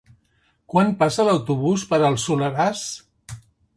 Quan passa l'autobús per el Soleràs?